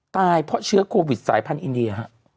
ตายเพราะเชื้อโควิดสายพันธุอินเดีย